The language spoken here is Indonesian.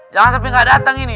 jangan sampai nggak datang ini